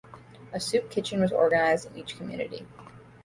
A soup kitchen was organised in each community.